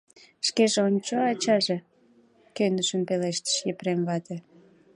— Шке ончо, ачаже, — кӧнышын пелештыш Епрем вате.